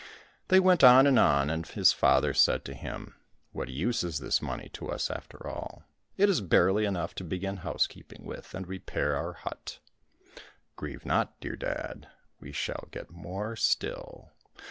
They went on and on, and his father said to him, " What use is this money to us after all ? It is barely enough to begin housekeeping with and repair our hut." —" Grieve not, dear dad, we shall get more still.